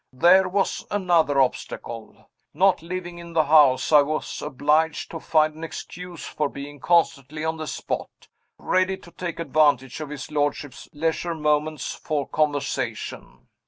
There was another obstacle! Not living in the house, I was obliged to find an excuse for being constantly on the spot, ready to take advantage of his lordship's leisure moments for conversation.